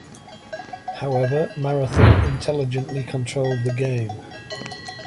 However, Marathon intelligently controlled the game.